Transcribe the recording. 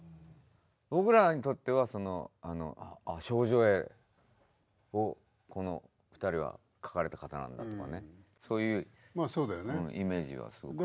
僕らにとってはあ「少女Ａ」をこの２人は書かれた方なんだとかね。そういうイメージはすごく。